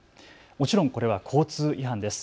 もちろんこれは交通違反です。